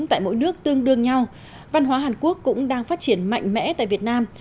tại mỗi nước tương đương nhau văn hóa hàn quốc cũng đang phát triển mạnh mẽ tại việt nam